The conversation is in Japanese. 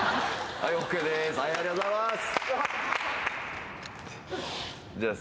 ありがとうございます。